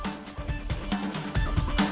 terima kasih anda masih bersama prime news